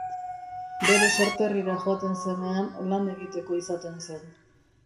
Bere sorterrira joaten zenean, lan egiteko izaten zen.